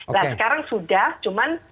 nah sekarang sudah cuman